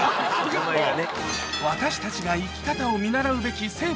名前がね。